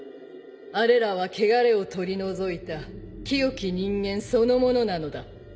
あれらは穢れを取り除いた清き人間そのものなのだ。